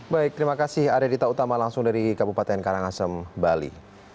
baik terima kasih arya dita utama langsung dari kabupaten karangasem bali